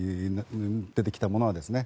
出てきたものはですね。